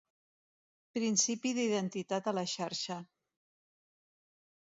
Principi d'identitat a la xarxa.